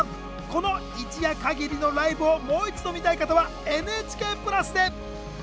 この一夜かぎりのライブをもう一度見たい方はＮＨＫプラスで！